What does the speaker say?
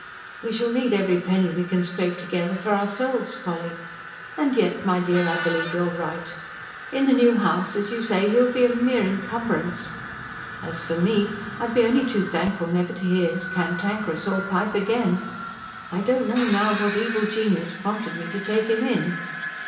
"We shall need every penny we can scrape together, for ourselves, Polly. And yet, my dear, I believe you're right. In the new house, as you say, he'll be a mere encumbrance. As for me, I'd be only too thankful never to hear his cantankerous old pipe again. I don't know now what evil genius prompted me to take him in."